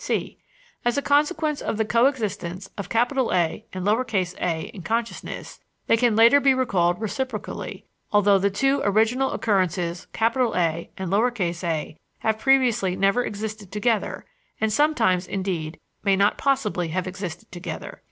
(c) As a consequence of the coëxistence of A and a in consciousness, they can later be recalled reciprocally, although the two original occurrences A and a have previously never existed together, and sometimes, indeed, may not possibly have existed together.